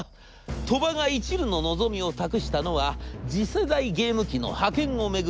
鳥羽がいちるの望みを託したのは次世代ゲーム機の覇権を巡る争い。